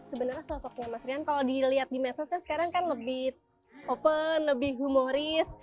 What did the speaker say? sebenarnya sosoknya mas rian kalau dilihat di medsos kan sekarang kan lebih open lebih humoris